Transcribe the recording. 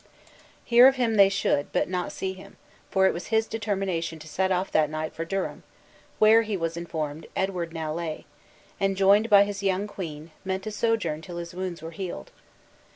Hear of him they should, but not see him; for it was his determination to set off that night for Durham, where, he was informed, Edward now lay, and, joined by his young queen, meant to sojourn till his wounds were healed.